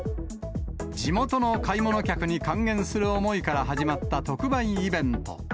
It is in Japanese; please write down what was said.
地元の買い物客に還元する思いから始まった特売イベント。